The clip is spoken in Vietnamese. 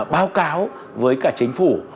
báo cáo với cả chính phủ